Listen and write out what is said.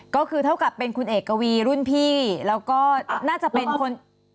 ก็คือเท่ากับเป็นคุณเอกวีรุ่นพี่แล้วก็น่าจะเป็นคน